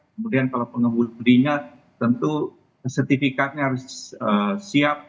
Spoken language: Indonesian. kemudian kalau pengemudinya tentu sertifikatnya harus siap